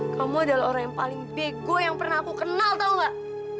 kamu adalah orang yang paling bego yang pernah aku kenal tau gak